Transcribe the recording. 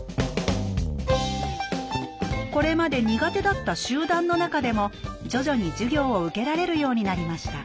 これまで苦手だった集団の中でも徐々に授業を受けられるようになりました